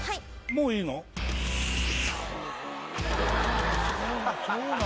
もういいの？そら！